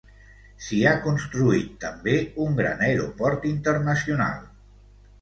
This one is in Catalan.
S'hi ha construït també un gran aeroport internacional.